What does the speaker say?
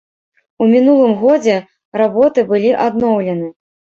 У мінулым годзе работы былі адноўлены.